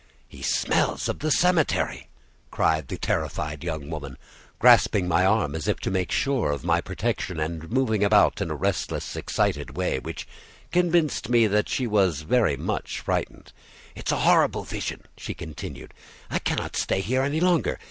"He smells of the cemetery!" cried the terrified young woman, grasping my arm as if to make sure of my protection, and moving about in a restless, excited way, which convinced me that she was very much frightened. "It's a horrible vision," she continued; "I cannot stay here any longer.